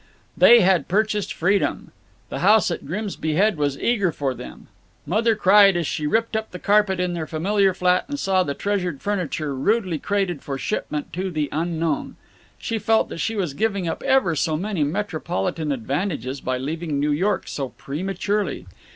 They had purchased freedom. The house at Grimsby Head was eager for them. Mother cried as she ripped up the carpet in their familiar flat and saw the treasured furniture rudely crated for shipment to the unknown. She felt that she was giving up ever so many metropolitan advantages by leaving New York so prematurely.